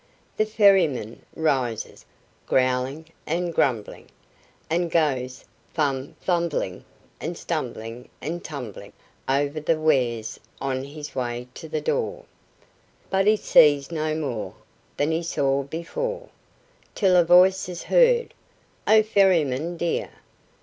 The ferryman rises, growling and grumbling, And goes fum fumbling, and stumbling, and tumbling Over the wares on his way to the door. But he sees no more Than he saw before; Till a voice is heard: "O Ferryman dear!